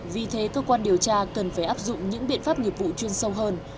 vì thế cơ quan điều tra cần phải áp dụng những biện pháp nghiệp vụ chuyên sâu hơn